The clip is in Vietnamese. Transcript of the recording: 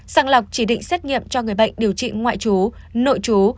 sẵn lọc chỉ định xét nghiệm cho người bệnh điều trị ngoại trú nội trú